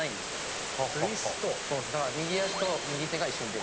右足と右手が一緒に出る。